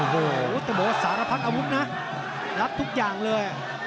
โหโหวโศรภัตริย์อาวุธนะรับทุกอย่างเลย